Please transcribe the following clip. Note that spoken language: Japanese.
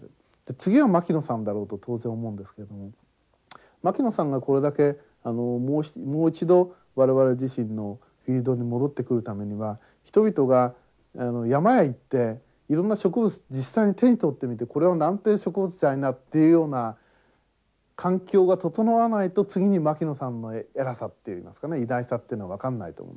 次は牧野さんだろうと当然思うんですけれども牧野さんがこれだけもう一度我々自身のフィールドに戻ってくるためには人々が山へ行っていろんな植物を実際手に取ってみてこれは何という植物っていうような環境が整わないと次に牧野さんの偉さっていいますかね偉大さっていうのは分かんないと思いますね。